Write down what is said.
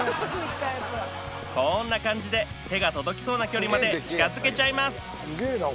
こんな感じで手が届きそうな距離まで近づけちゃいます